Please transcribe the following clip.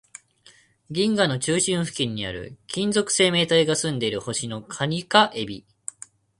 銀河の中心付近にある、金属生命体が住んでいる星の蟹か海老